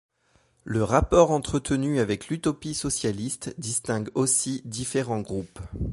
Le rapport entretenu avec l'utopie socialiste distingue aussi différents groupes.